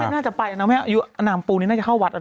น่าจะไปนะแม่หนามปูนี้น่าจะเข้าวัดอ่ะนะแม่